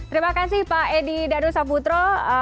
terima kasih pak edi danusaputro